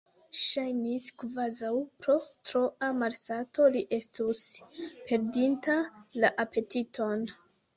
Ŝajnis, kvazaŭ pro troa malsato li estus perdinta la apetiton.